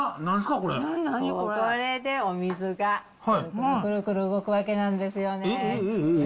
これでお水がくるくる動くわけなんですよね。